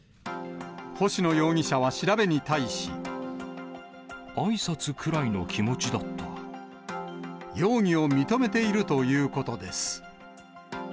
星野容疑者は調べに対し。あいさつくらいの気持ちだっ容疑を認めているということ